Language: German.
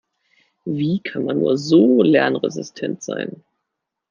Wie kann man nur so lernresistent sein?